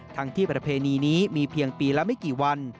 ทั้งที่ประเพณีนี้มีเพียงปีละไม่กี่วัน